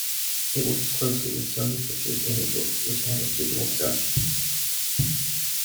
It works closely with Sony Pictures Imageworks, which handles digital production.